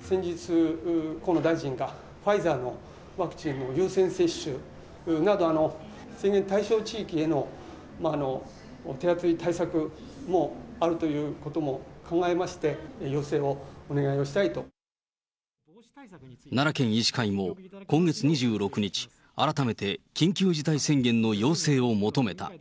先日、河野大臣がファイザーのワクチンの優先接種など、宣言対象地域への手厚い対策もあるということも考えまして、奈良県医師会も、今月２６日、改めて緊急事態宣言の要請を求めた。